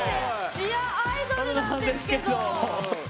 チアアイドルなんですけど！